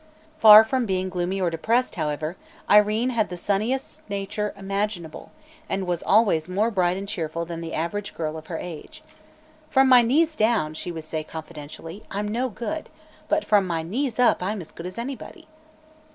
Far from being gloomy or depressed, however, Irene had the sunniest nature imaginable, and was always more bright and cheerful than the average girl of her age. "From my knees down," she would say confidentially, "I'm no good; but from my knees up I'm as good as anybody."